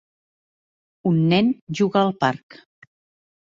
Un nen juga al parc.